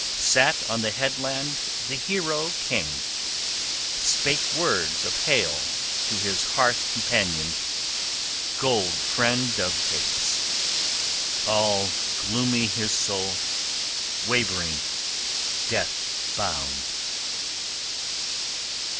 Sat on the headland the hero king, spake words of hail to his hearth companions, gold friend of Geats. All gloomy his soul, wavering, death bound.